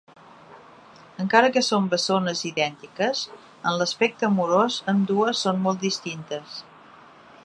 Encara que són bessones idèntiques, en l'aspecte amorós ambdues són molt distintes.